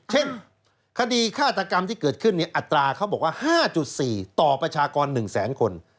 เช่นคดีฆาตกรรมที่เกิดขึ้นอัตราเขาบอกว่า๕๔ต่อประชากร๑แสนคน